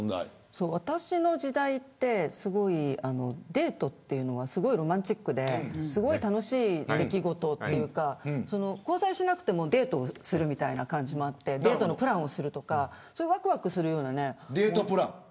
私の時代ってデートというのはすごくロマンチックですごい楽しい出来事というか交際しなくてもデートするみたいな感じもあってデートのプランをするとかわくわくするような。